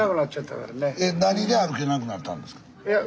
何で歩けなくなったんですか？